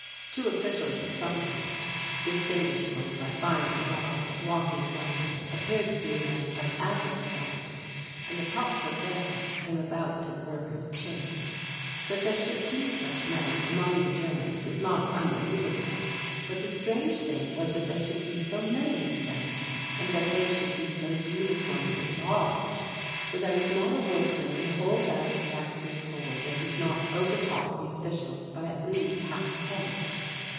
Two officials of some sort, distinguishable by finer garb, walking among them, appeared to be men of average size, and the tops of their heads came about to the workers' chins. That there should be such men among the Germans was not unbelievable, but the strange thing was that there should be so many of them, and that they should be so uniformly large, for there was not a workman in the whole vast factory floor that did not over top the officials by at least half a head.